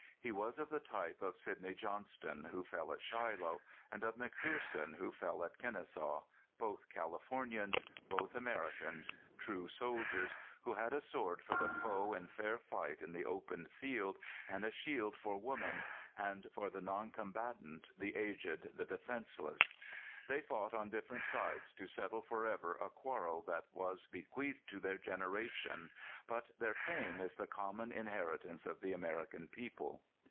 He was of the type of Sidney Johnston, who fell at Shiloh, and of McPherson, who fell at Kennesaw all Californians ; all Amer icans, true soldiers, who had a sword for the foe in fair fight in the open field, and a shield for woman, and for the non combatant, the aged, the defense less. They fought on different sides to settle for ever a quarrel that was bequeathed to their gener ation, but their fame is the common inheritance of the American people.